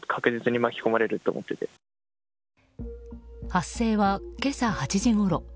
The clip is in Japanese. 発生は今朝８時ごろ。